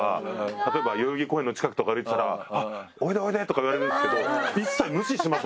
例えば代々木公園の近くとか歩いてたら「あっおいでおいで」とか言われるんですけど一切無視します